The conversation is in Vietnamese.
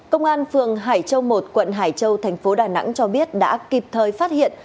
công an phường hải châu một quận hải châu thành phố đà nẵng cho biết đã kịp thời phát hiện